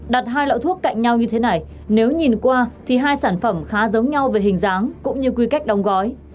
đặt hai loại thuốc cạnh nhau như thế này nếu nhìn qua thì hai sản phẩm khá giống nhau về hình dáng cũng như quy cách đóng gói